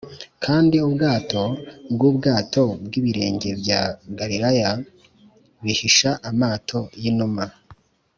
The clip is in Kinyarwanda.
kandi ubwato bwubwato bwibirenge bya galilaya bihisha amato yinuma.